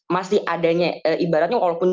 masih adanya ibaratnya walaupun